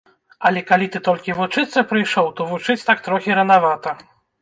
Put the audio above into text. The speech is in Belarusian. Але калі ты толькі вучыцца прыйшоў, то вучыць так трохі ранавата.